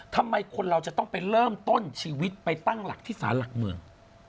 ทำไมคนเราจะต้องไปเริ่มต้นชีวิตไปตั้งหลักที่สารหลักเมือง